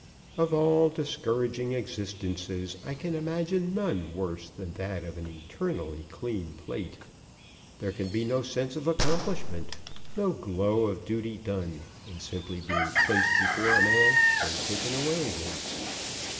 Of all discouraging existences I can imagine none worse than that of an eternally clean plate. There can be no sense of accomplishment, no glow of duty done, in simply being placed before a man and then taken away again.